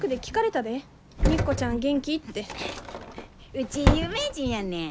うち有名人やねん。